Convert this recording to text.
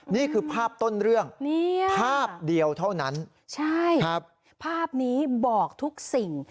นี่คือภาพต้นเรื่องภาพเดียวเท่านั้นใช่ครับภาพนี้บอกทุกสิ่ง